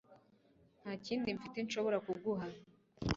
Nta kindi mfite nshobora kuguha